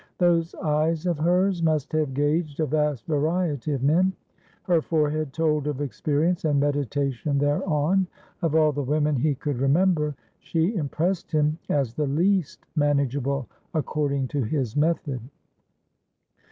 Those eyes of hers must have gauged a vast variety of men; her forehead told of experience and meditation thereon. Of all the women he could remember, she impressed him as the least manageable according to his method.